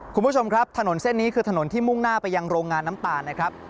คุณผู้ชมครับถนนเส้นนี้คือถนนที่มุ่งหน้าไปยังโรงงานน้ำตาลนะครับ